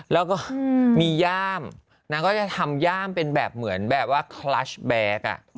แล้วก็มีย่ามนางก็จะทำย่ามเป็นแบบเหมือนแบบว่าคลัชแบ็ค